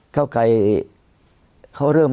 เก้าไกรเขาเริ่ม